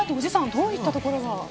どういったところが。